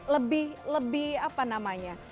lebih apa namanya